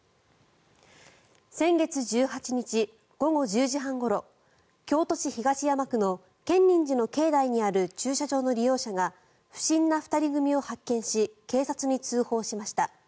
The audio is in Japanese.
先月１８日午後１０時半ごろ京都市東山区の建仁寺の境内にある駐車場の利用者が不審な２人組を発見し警察に通報しました。